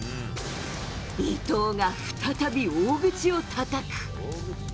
伊藤が再び大口をたたく。